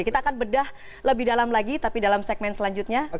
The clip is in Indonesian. kita akan bedah lebih dalam lagi tapi dalam segmen selanjutnya